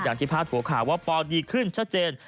อย่างที่พลาดหัวข่าวว่าปอร์ดีขึ้นชัดเจน